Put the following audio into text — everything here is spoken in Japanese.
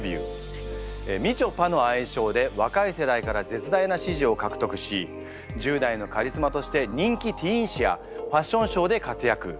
「みちょぱ」の愛称で若い世代から絶大な支持を獲得し１０代のカリスマとして人気ティーン誌やファッションショーで活躍。